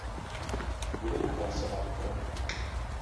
Budeme hlasovat pro.